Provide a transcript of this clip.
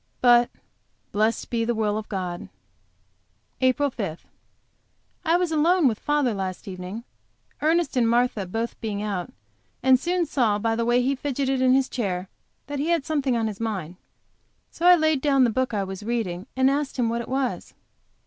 But "blessed be the will of God." APRIL 5. I was alone with father last evening, Ernest and Martha both being out, and soon saw by the way he fidgeted in his chair that he had something on his mind. So I laid down the book I was reading, and asked him what it was.